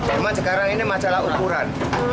cuma sekarang ini masalah ukuran